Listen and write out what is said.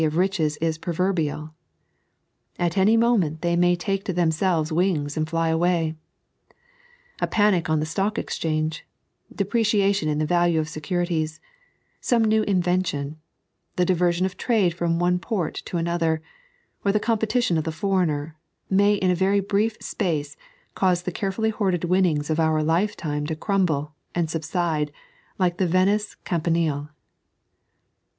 137 of riches is proverbial ; at any moment they may take to themselves wings and fly away, A panic on the Btock Exchange, depreciation in the value of securities, some new invention, the diversion of trade from one port to another, or the competition of the foreigner, may in a va>7 brief space cause the carefully hoarded winnings of our lifetime to crumble and subside like the Venice Campanile.